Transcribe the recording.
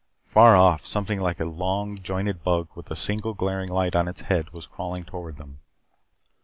Far off, something like a long jointed bug with a single glaring light in its head was crawling toward them.